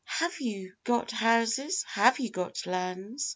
'Have you got houses? have you got lands?